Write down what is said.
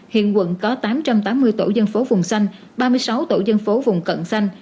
hiện quận có tám trăm tám mươi tổ dân phố vùng xanh ba mươi sáu tổ dân phố vùng cận xanh